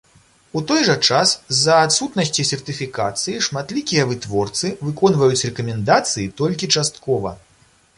У той жа час, з-за адсутнасці сертыфікацыі шматлікія вытворцы выконваюць рэкамендацыі толькі часткова.